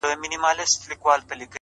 ټوله وركه يې!!